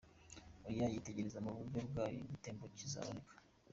Oya! Yitegereze mu buryo bwayo igitambo kizaboneka.